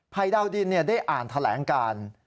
ดาวดินได้อ่านแถลงการ